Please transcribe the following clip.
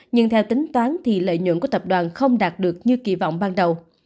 nhưng theo tính toán thì lợi nhuận của tập đoàn không đạt được như kỳ vọng ban đầu